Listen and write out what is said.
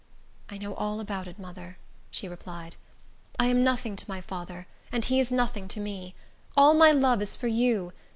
"I know all about it, mother," she replied; "I am nothing to my father, and he is nothing to me. All my love is for you.